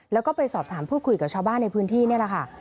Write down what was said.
แล้วก็ไปสอบถามพูดคุยกับชาวบ้านในพื้นที่นี่แหละค่ะ